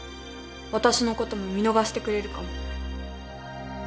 私のことも見逃してくれるかも。